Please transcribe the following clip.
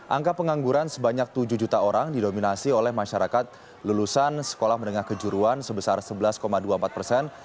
angka pengangguran sebanyak tujuh juta orang didominasi oleh masyarakat lulusan sekolah menengah kejuruan sebesar sebelas dua puluh empat persen